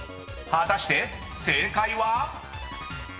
［果たして正解は？］